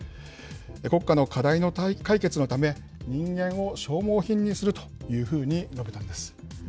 国家の課題の解決のため、人間を消耗品にするというふうに述べたんです。